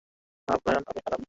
হ্যাঁ, ব্রায়ান আর আমি।